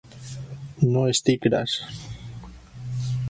No estic gras.